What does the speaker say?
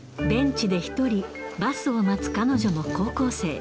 ベンチで１人、バスを待つ彼女も高校生。